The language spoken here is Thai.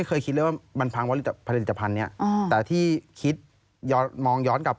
เดือนกว่าครับ